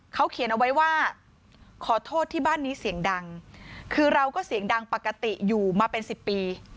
เขาเขียนเอาไว้ว่าขอโทษที่บ้านนี้เสียงดังคือเราก็เสียงดังปกติอยู่มาเป็นสิบปี